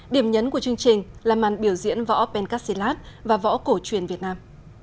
điểm nhấn của chương trình là màn biểu diễn võ penkatsilat và võ cổ truyền việt nam